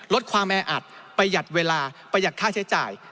ลดความแออัดประหยัดเวลาประหยัดค่าใช้จ่าย